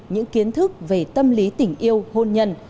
những kiến thức về tâm lý tình yêu hôn nhân